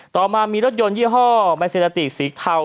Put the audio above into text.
ต่อมามีรถยนต์ยี่ห้อแมซินาติสีเทา